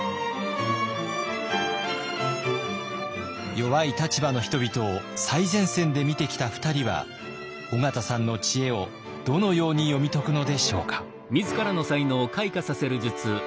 弱い立場の人々を最前線で見てきた２人は緒方さんの知恵をどのように読み解くのでしょうか。